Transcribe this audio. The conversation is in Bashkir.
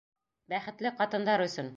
Бәхетле ҡатындар өсөн!